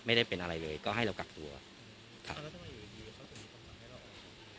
ไม่ได้เป็นอะไรเลยก็ให้เรากักตัวครับ